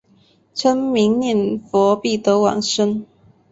称名念佛必得往生。